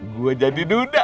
gue jadi duda